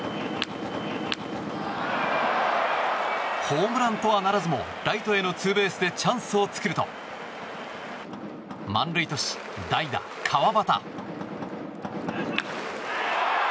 ホームランとはならずもライトへのツーベースでチャンスを作ると満塁とし代打、川端。